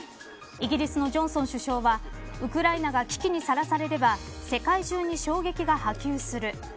イギリスのジョンソン首相はウクライナ危機にさらされれば世界中に衝撃が波及する。